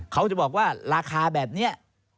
เขาจะบอกว่าราคาแบบนี้